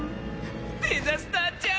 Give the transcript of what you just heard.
デザスターちゃん！